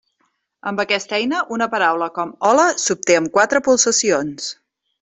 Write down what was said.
Amb aquesta eina, una paraula com hola s'obté amb quatre pulsacions.